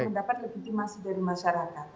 kita tidak mendapat legitimasi dari masyarakat